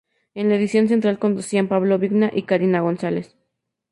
En la edición central conducían Pablo Vigna y Karina González.